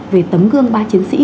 về tấm gương ba chiến sĩ